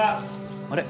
あれ？